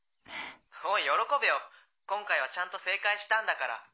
おい喜べよ今回はちゃんと正解したんだから。